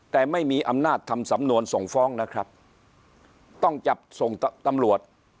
แต่ไม่มีอำนาจทำสำนวนส่งฟ้องนะครับต้องจับส่งตำรวจ